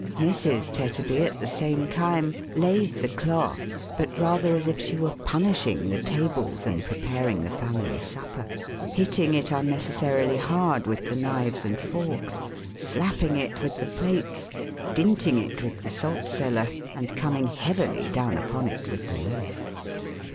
Mrs. Tetterby, at the same time, laid the cloth, but rather as if she were punishing the table than preparing the family 456 THE HAUNTED MAN. supper; hitting it unnecessarily hard with the knives and forks, slapping it with the plates, dinting it with the salt cellar, and coming heavily down upon it with the loaf.